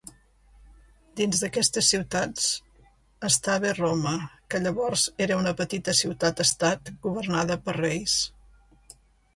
Dins d'aquestes ciutats estava Roma, que llavors era una petita ciutat estat governada per reis.